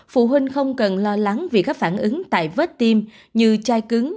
phụ huynh không cần lo lắng vì các phản ứng tại vết tiêm như chai cư